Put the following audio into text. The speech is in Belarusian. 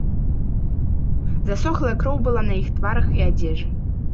Засохлая кроў была на іх тварах і адзежы.